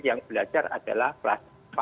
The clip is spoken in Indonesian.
yang belajar adalah kelas